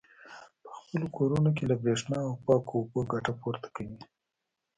په خپلو کورونو کې له برېښنا او پاکو اوبو ګټه پورته کوي.